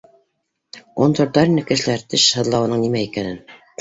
Оноторҙар ине кешеләр теш һыҙлауҙың нимә икәнен.